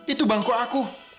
itu bangku aku